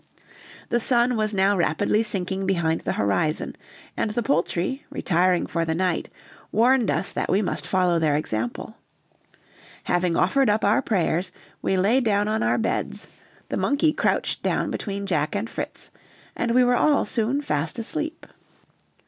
The sun was now rapidly sinking behind the horizon, and the poultry, retiring for the night, warned us that we must follow their example. Having offered up our prayers, we lay down on our beds, the monkey crouched down between Jack and Fritz, and we were all soon fast asleep.